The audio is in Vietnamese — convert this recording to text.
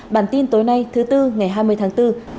bản tin tối nay thứ tư ngày hai mươi tháng bốn